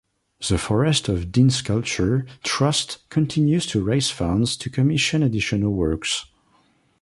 The Forest of Dean Sculpture Trust continues to raise funds to commission additional works.